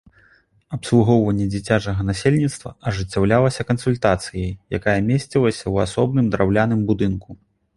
Абслугоўванне дзіцячага насельніцтва ажыццяўлялася кансультацыяй, якая месцілася ў асобным драўляным будынку.